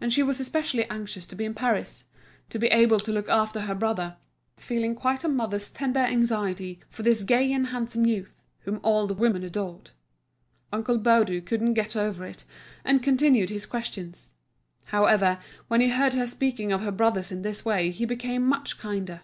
And she was especially anxious to be in Paris, to be able to look after her brother, feeling quite a mother's tender anxiety for this gay and handsome youth, whom all the women adored. Uncle Baudu couldn't get over it, and continued his questions. However, when he heard her speaking of her brothers in this way he became much kinder.